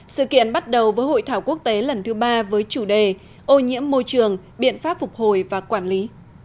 sự kiện bắt đầu với hội thảo quốc tế lần thứ ba với chủ đề ô nhiễm môi trường biện pháp phục hồi và quản lý